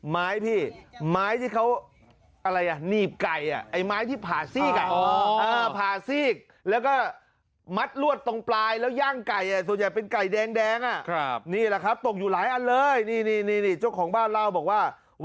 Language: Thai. ไม้พี่ไม้ที่เขาวิว